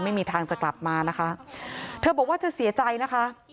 ไม่มีทางจะกลับมานะคะเธอบอกว่าเธอเสียใจนะคะ